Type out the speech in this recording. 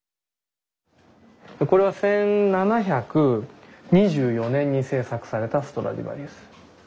これは１７２４年に製作されたストラディバリウス。